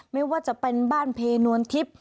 ไม่ว่าจะเป็นบ้านเพนวลทิพย์